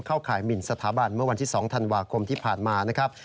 ข่ายหมินสถาบันเมื่อวันที่๒ธันวาคมที่ผ่านมานะครับ